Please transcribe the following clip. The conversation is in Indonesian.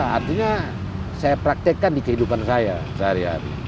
artinya saya praktekkan di kehidupan saya sehari hari